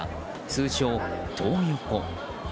通称、トー横。